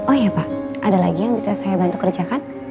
oh ya pak ada lagi yang bisa saya bantu kerjakan